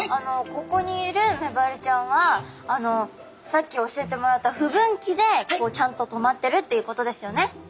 ここにいるメバルちゃんはさっき教えてもらった不分岐でちゃんと止まってるっていうことですよね。